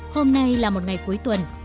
hôm nay là một ngày cuối tuần